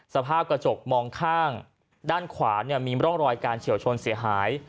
สภาพกระจกมองข้างด้านขวามีร่องรอยการเฉียวชนเสียหาย